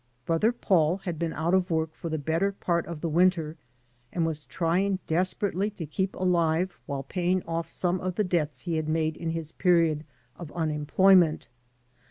Brother Paid had been out of work for the better part of the winter, and was trying desperately to keep alive while paying off some of the debts he had made in his period of unemployment.